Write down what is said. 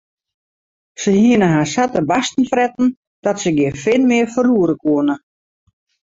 Se hiene har sa te barsten fretten dat se gjin fin mear ferroere koene.